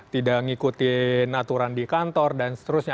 tidak ngikutin aturan di kantor dan seterusnya